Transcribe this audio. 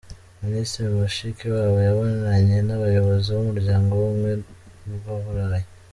Minisitiri Mushikiwabo yabonanye n’abayobozi b’Umuryango w’Ubumwe bw’u Burayi